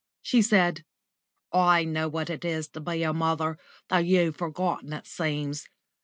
She said: "I know what it is to be a mother, though you've forgotten, it seems.